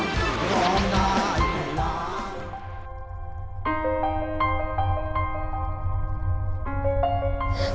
คือร้องได้ให้ร้าน